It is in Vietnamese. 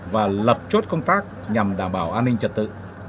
và lập chốt công tác nhằm đảm bảo an ninh trật tự